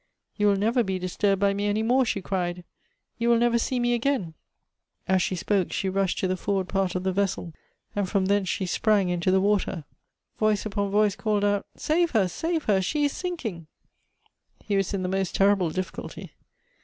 'You will never be disturbed by me any more,' she cried ;' you will never see me again.' As she spoke, she rushed to the forward part of the vessel, and from thence she sprang into the water. Voice upon voice called out, ' Save her, save her, she is sinking !' He was in the most terrible difficulty.